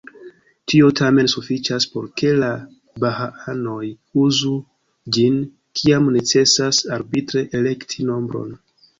Tio tamen sufiĉas por ke la bahaanoj uzu ĝin, kiam necesas arbitre elekti nombron.